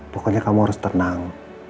pokoknya kamu harus tenang